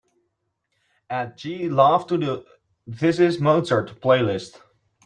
Add g love to the This Is Mozart playlist.